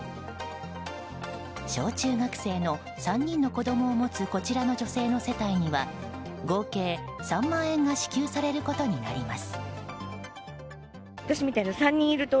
小中学生の３人の子供を持つこちらの女性の世帯には合計３万円が支給されることになります。